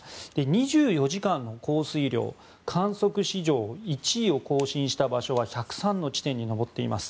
２４時間の降水量観測史上１位を更新した場所は１０３の地点に上っています。